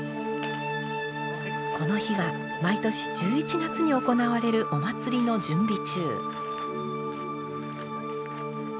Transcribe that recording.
この日は毎年１１月に行われるお祭りの準備中。